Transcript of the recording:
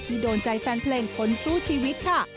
โดนใจแฟนเพลงคนสู้ชีวิตค่ะ